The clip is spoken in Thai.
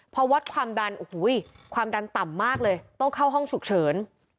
พอวัดความดันโอ้โหความดันต่ำมากเลยต้องเข้าห้องฉุกเฉิน